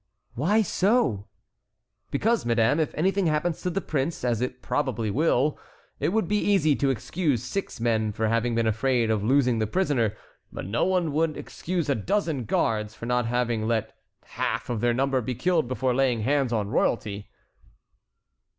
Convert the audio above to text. "Why so?" "Because, madame, if anything happens to the prince, as it probably will, it would be easy to excuse six men for having been afraid of losing the prisoner, but no one would excuse a dozen guards for not having let half of their number be killed before laying hands on royalty."